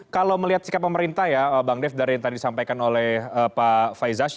kalau melihat sikap pemerintah ya bang dev dari yang tadi disampaikan oleh pak faizas